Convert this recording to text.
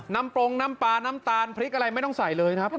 ปรงน้ำปลาน้ำตาลพริกอะไรไม่ต้องใส่เลยครับ